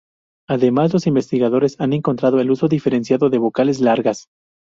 Además los investigadores han encontrado el uso diferenciado de vocales largas.